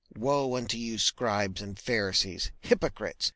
Woe unto you, ye Scribes and Pharisees, Ye hypocrites!